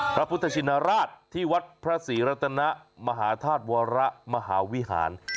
พระพุทธชินราชที่วัดพระศรีรัตนมหาธาตุวรมหาวิหาร